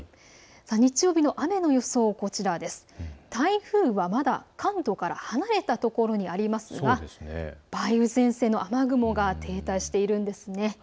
台風はまだ、関東から離れたところにありますが梅雨前線の雨雲が停滞しているんですね。